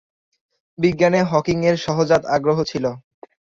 বিজ্ঞানে হকিংয়ের সহজাত আগ্রহ ছিল।